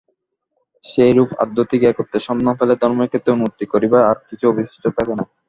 সেইরূপ আধ্যাত্মিক একত্বের সন্ধান পাইলে ধর্মের ক্ষেত্রে উন্নতি করিবার আর কিছু অবশিষ্ট থাকে না।